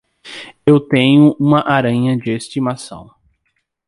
Eu tenho uma aranha de estimação.